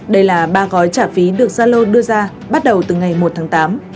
đây là ba gói trả phí được zalo đưa ra bắt đầu từ ngày một tháng tám